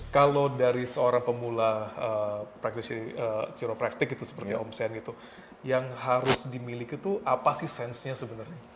kalau dari seorang pemula kiropraktik seperti om sen yang harus dimiliki apa sih sensnya sebenarnya